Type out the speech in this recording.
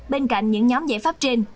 bên cạnh những nhóm giải pháp trên